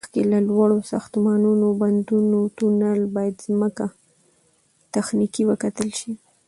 مخکې له لوړو ساختمانو، بندونو، تونل، باید ځمکه تخنیکی وکتل شي